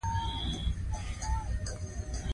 ډاکټر کرایان وویل چې مایکروبونه د غذایي موادو جذب اسانوي.